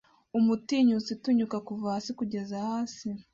Umutinyutsi utinyuka kuva hasi kugeza hasi